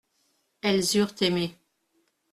Elles eurent aimé.